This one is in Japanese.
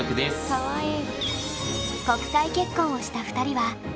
かわいい。